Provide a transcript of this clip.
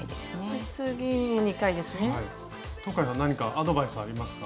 東海さん何かアドバイスありますか？